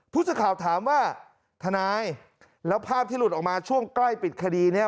ผู้สื่อข่าวถามว่าทนายแล้วภาพที่หลุดออกมาช่วงใกล้ปิดคดีนี้